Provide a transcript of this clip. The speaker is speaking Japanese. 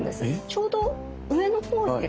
ちょうど上のほう。